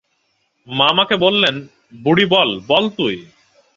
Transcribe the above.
মা আমাকে বললেন, বুড়ি বল, বল তুই।